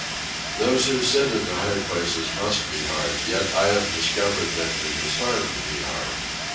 Those who sit in the high places must be hard, yet have I discovered that it is hard to be hard.